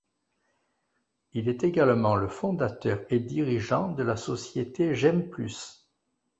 Il est également le fondateur et dirigeant de la société Gemplus.